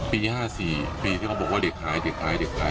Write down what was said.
ปี๕๔ปีที่เขาบอกว่าเด็กหายเด็กหายเด็กหาย